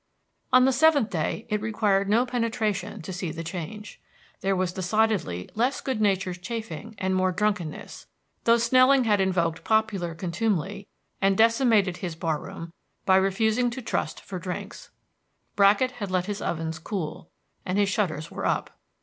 On the seventh day it required no penetration to see the change. There was decidedly less good natured chaffing and more drunkenness, though Snelling had invoked popular contumely and decimated his bar room by refusing to trust for drinks. Bracket had let his ovens cool, and his shutters were up.